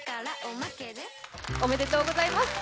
おめでとうございます。